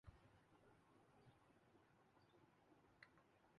یقینااس فیصلے کے دور رس اثرات اثرات مرتب ہو ں گے۔